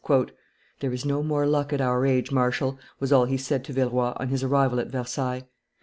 "There is no more luck at our age, marshal," was all he said to Villeroi, on his arrival at Versailles.